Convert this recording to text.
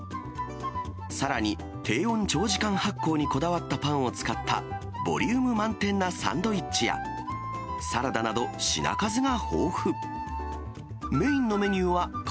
さらに低温長時間発酵にこだわったパンを使った、ボリューム満点なサンドイッチや、サラダなど品数が豊富。